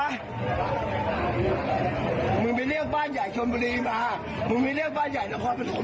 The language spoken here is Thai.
ร์มือมึอร์แบบแต่เข้ามายดังคอบครรภ์มอาสครับ